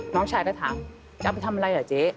น้องชายก็ถามจะเอาไปทำอะไรอ่ะเจ๊